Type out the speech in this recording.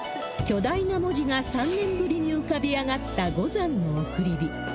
巨大な文字が３年ぶりに浮かび上がった、五山の送り火。